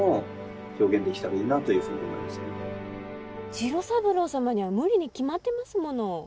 次郎三郎様には無理に決まってますもの。